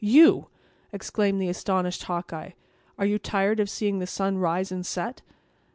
"You!" exclaimed the astonished Hawkeye; "are you tired of seeing the sun rise and set?"